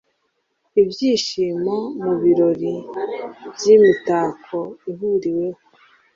Ibyishimo mubirori byimitako ihuriweho